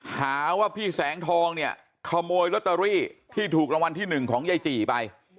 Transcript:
หาว่าพี่แสงทองเนี่ยขโมยลอตเตอรี่ที่ถูกรางวัลที่๑ของยายจี่ไป